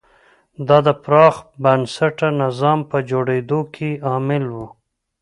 دا د پراخ بنسټه نظام په جوړېدو کې عامل و.